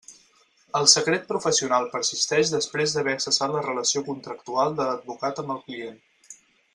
El secret professional persisteix després d'haver cessat la relació contractual de l'advocat amb el client.